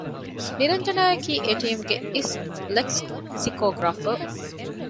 ނިރަންޖަނާ އަކީ އެޓީމުގެ އިސް ލެކްސިކޯގަރާފަރު